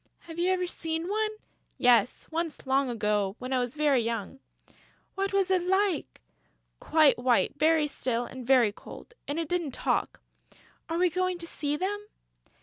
"Have you ever seen one?" "Yes, once, long ago, when I was very young...." "What was it like?" "Quite white, very still and very cold; and it didn't talk...." "Are we going to see them?"